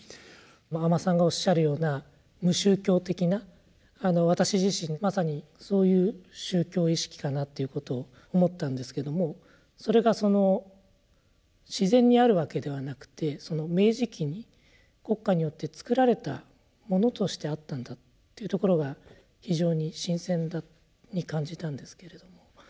阿満さんがおっしゃるような無宗教的な私自身まさにそういう宗教意識かなということを思ったんですけどもそれがその自然にあるわけではなくて明治期に国家によってつくられたものとしてあったんだというところが非常に新鮮に感じたんですけれども。